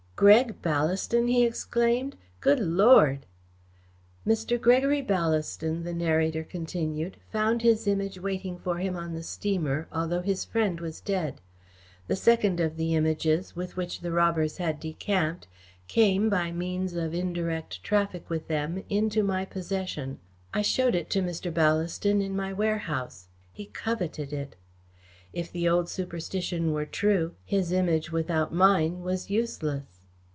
"Greg Ballaston!" he exclaimed. "Good Lord!" "Mr. Gregory Ballaston," the narrator continued, "found his Image waiting for him on the steamer, although his friend was dead. The second of the Images, with which the robbers had decamped, came, by means of indirect traffic with them, into my possession. I showed it to Mr. Ballaston in my warehouse. He coveted it. If the old superstition were true, his Image without mine was useless."